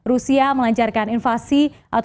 rusia melancarkan invasi ataupun agresi militernya ke ukraina